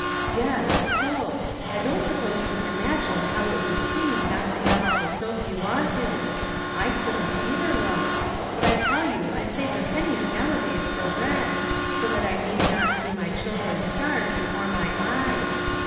" Yes, soap ; I don't suppose you can imagine how it would seem not to have all the soap you wanted ; I couldn't, either, once, but I tell you I save the pennies nowdays for bread, so that I need not see my children starve before my eyes.